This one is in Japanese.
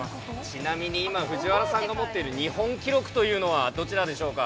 ちなみに今、藤原さんが持ってる日本記録というのは、どちらでしょうか。